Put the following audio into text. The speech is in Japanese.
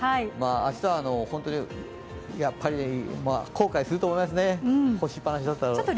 明日は、本当に後悔すると思いますね、干しっぱなしだと。